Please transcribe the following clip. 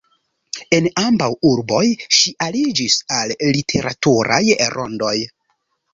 En ambaŭ urboj ŝi aliĝis al literaturaj rondoj.